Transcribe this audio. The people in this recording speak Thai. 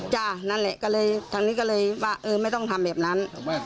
นั่นแหละก็เลยทางนี้ก็เลยว่าเออไม่ต้องทำแบบนั้น